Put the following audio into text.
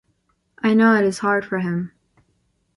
I know it is hard for him.